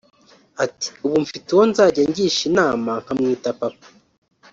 Ati “Ubu mfite uwo nzajya ngisha inama nkamwita papa